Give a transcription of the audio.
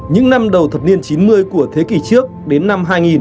những năm đầu thập niên chín mươi của thế kỷ trước đến năm hai nghìn